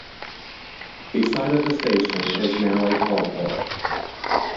The site of the station is now a car park.